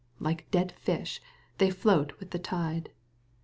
Like dead fish, they float witL the tide.